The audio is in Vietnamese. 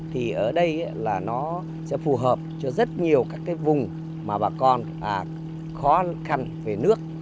thì ở đây là nó sẽ phù hợp cho rất nhiều các cái vùng mà bà con khó khăn về nước